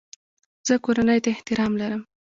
زه کورنۍ ته احترام لرم.